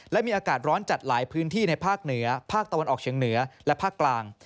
และมีอากาศร้อนจัดหลายพื้นที่ในภาคเหนือภาคตะวันออกเฉียงเหนือและภาคกลาง